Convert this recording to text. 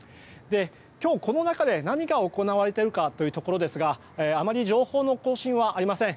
今日この中で何が行われているかですがあまり情報の更新はありません。